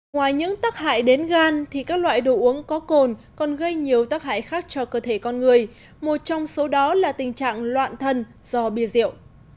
ngoài những tắc hại đến gan thì các loại đồ uống có cồn còn gây nhiều tác hại khác cho cơ thể con người một trong số đó là tình trạng loạn thần do bia rượu